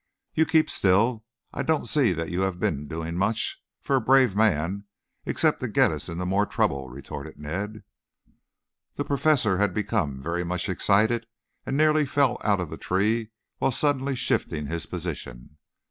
"You keep still. I don't see that you have been doing much, for a brave man, except to get us into more trouble," retorted Ned. The Professor had become very much excited, and nearly fell out of the tree while suddenly shifting his position.